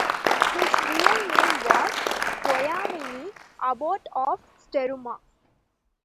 His real name was Giovanni, Abbot of Struma.